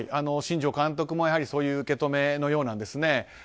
新庄監督もそういう受け止めのようなんですね。